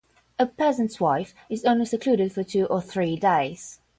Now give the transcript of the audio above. A peasant’s wife is only secluded for two or three days.